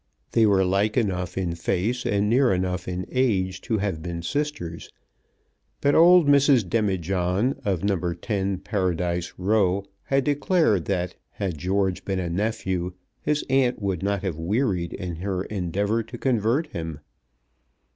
They were like enough in face and near enough in age to have been sisters; but old Mrs. Demijohn, of No. 10, Paradise Row, had declared that had George been a nephew his aunt would not have wearied in her endeavour to convert him.